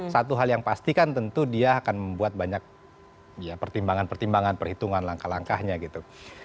satu hal yang pasti kan tentu dia akan membuat banyak pertimbangan pertimbangan perhitungan langkah langkahnya gitu